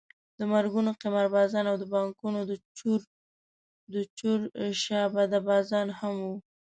د مرګونو قماربازان او د بانکونو د چور شعبده بازان هم وو.